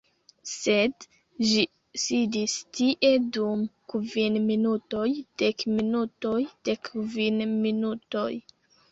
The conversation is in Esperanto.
Sed ĝi sidis tie dum kvin minutoj, dek minutoj, dek kvin minutoj!